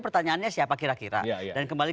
pertanyaannya siapa kira kira dan kembali